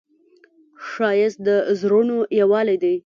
ښایست د زړونو یووالی دی